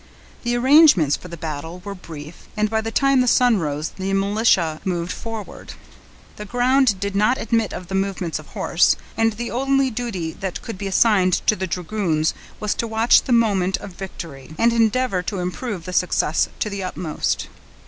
The arrangements for the battle were brief, and by the time the sun rose the militia moved forward. The ground did not admit of the movements of horse; and the only duty that could be assigned to the dragoons was to watch the moment of victory, and endeavor to improve the success to the utmost.